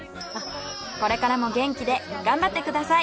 これからも元気で頑張ってください！